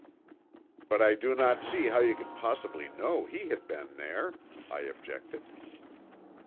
"But I do not see how you could possibly know he had been there," I objected.